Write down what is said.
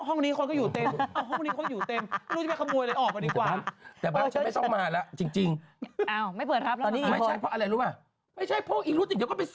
ตอนย่าเสียเนี่ยทั้งป้าทั้งอาดูแลฉันยิ่งกว่าตอนย่าอยู่อีก